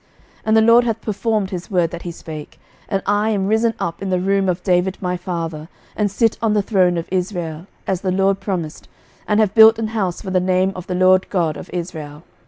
11:008:020 And the LORD hath performed his word that he spake, and I am risen up in the room of David my father, and sit on the throne of Israel, as the LORD promised, and have built an house for the name of the LORD God of Israel.